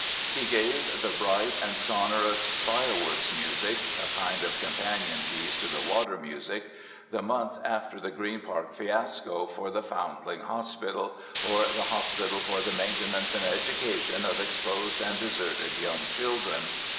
He gave the bright and sonorous "Fireworks Music" (a kind of companion piece to the "Water Music") the month after the Green Park fiasco for the Foundling Hospital, or "The Hospital for the Maintenance and Education of Exposed and Deserted Young Children."